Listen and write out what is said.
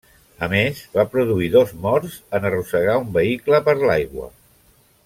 A més, va produir dos morts en arrossegar un vehicle per l'aigua.